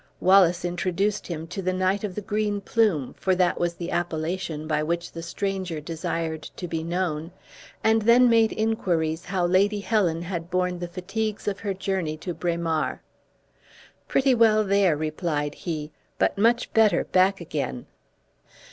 Wallace introduced him to the Knight of the Green Plume, for that was the appellation by which the stranger desired to be known and then made inquiries how Lady Helen had borne the fatigues of her journey to Braemar. "Pretty well there," replied he, "but much better back again."